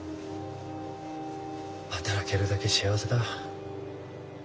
働けるだけ幸せだ。